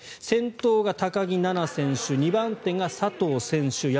先頭が高木菜那選手２番手が佐藤選手